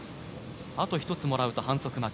あと１つもらうと反則負け。